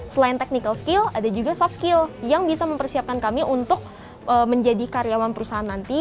selain technical skill ada juga soft skill yang bisa mempersiapkan kami untuk menjadi karyawan perusahaan nanti